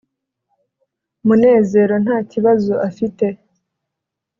munezero ntakibazo afite